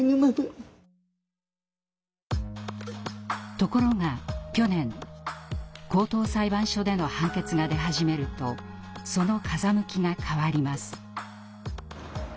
ところが去年高等裁判所での判決が出始めるとその風向きが変わります。